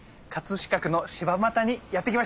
飾区の柴又にやって来ました。